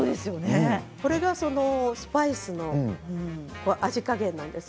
これがスパイスの味加減なんです。